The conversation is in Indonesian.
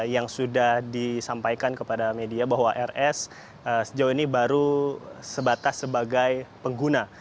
yang sudah disampaikan kepada media bahwa rs sejauh ini baru sebatas sebagai pengguna